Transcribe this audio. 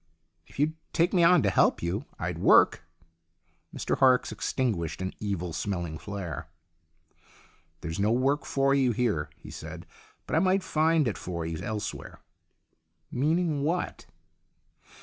" If you'd take me on to help you, I'd work." Mr Horrocks extinguished an evil smelling flare. " There's no work for you here," he said. " But I might find it for you elsewhere." " Meaning what